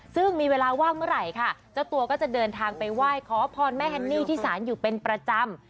ซึ่งมีเวลาว่างเมื่อไหร่ค่ะเจ้าตัวก็จะเดินทางไปไหว้ขอพรแม่ฮันนี่ที่ศาลอยู่เป็นประจำ